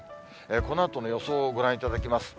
このあとの予想をご覧いただきます。